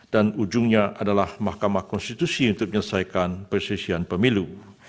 ujungnya adalah mahkamah konstitusi untuk menyelesaikan persesian pemilu